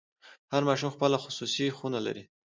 هر ماشوم خپله خصوصي خونه لري.